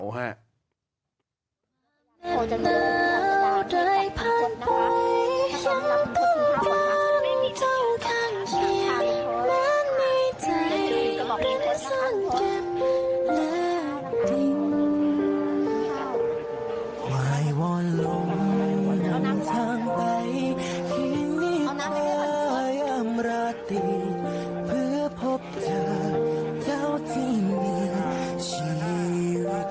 ไหวว่อนลุงนำทางไปที่นี่ได้อำราธิเพื่อพบเธอเจ้าที่มีชีวิตหนึ่ง